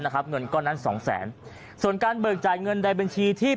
เงินก้อนนั้นสองแสนส่วนการเบิกจ่ายเงินใดบัญชีที่